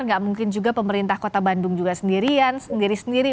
nggak mungkin juga pemerintah kota bandung juga sendirian sendiri sendiri